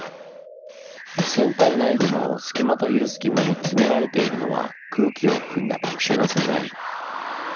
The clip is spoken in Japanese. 船体内部の隙間という隙間に詰められているのは空気を含んだ特殊な素材。